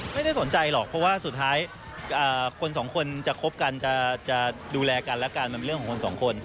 ไม่ได้สนใจหรอกเพราะว่าสุดท้ายคนสองคนจะคบกันจะดูแลกันและกันมันเรื่องของคนสองคน